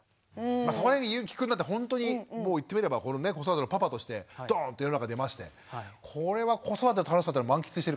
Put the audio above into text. そこら辺ゆーきくんなんてほんとにもう言ってみれば子育てのパパとしてドン！と世の中出ましてこれは子育ての楽しさっていうのは満喫してる感じですか？